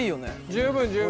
十分十分！